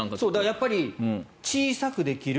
やっぱり小さくできる